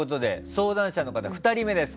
相談者の方２人目です。